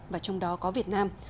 và trong đó có việt nam